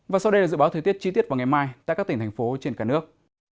và sau đây là dự báo thời tiết chi tiết vào ngày mai tại các tỉnh thành phố trên cả nước